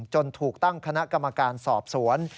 จนถูกตั้งคณะกรรมการสอบสวน